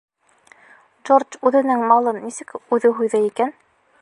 — Джордж үҙенең малын нисек үҙе һуйҙы икән?